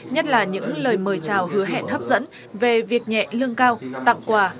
nhất là những lời mời chào hứa hẹn hấp dẫn về việc nhẹ lương cao tặng quà